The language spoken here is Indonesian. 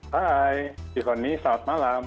hai yoni selamat malam